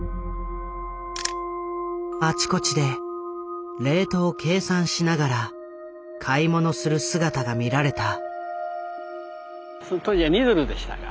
あちこちでレートを計算しながら買い物する姿が見られた。